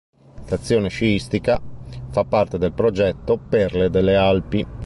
Stazione sciistica, fa parte del progetto Perle delle Alpi.